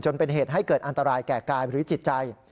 เป็นเหตุให้เกิดอันตรายแก่กายหรือจิตใจ